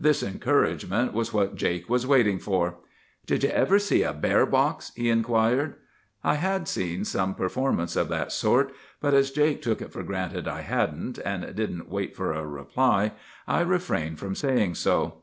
"This encouragement was what Jake was waiting for. "'Did you ever see a bear box?' he inquired. I had seen some performances of that sort; but as Jake took it for granted I hadn't, and didn't wait for a reply, I refrained from saying so.